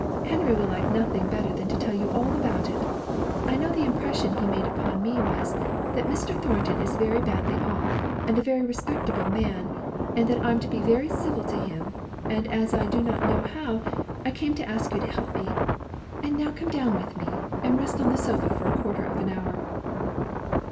Henry will like nothing better than to tell you all about it. I know the impression he made upon me was, that Mr. Thornton is very badly off, and a very respectable man, and that I'm to be very civil to him: and as I did not know how, I came to you to ask you to help me. And now come down with me, and rest on the sofa for a quarter of an hour."